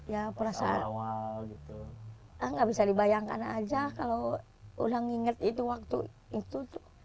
ya perasaan nggak bisa dibayangkan aja kalau udah nginget waktu itu